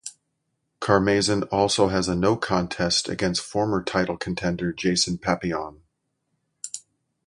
Karmazin also has a no-contest against former title contender Jason Papillion.